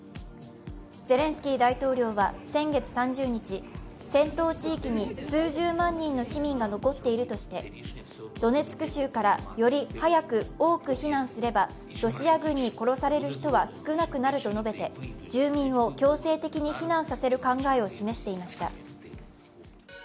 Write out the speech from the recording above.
ゼレンスキー大統領は先月３０日、戦闘地域に数十万人の市民が残っているとして、ドネツク州からより早く多く避難すればロシア軍に殺される人は少なくなると述べて住民を強制的に避難させる考えを示していました。